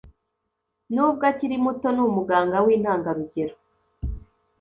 Nubwo akiri muto, ni umuganga wintangarugero.